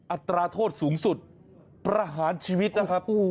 อัตราโทษสูงสุดประหารชีวิตนะครับ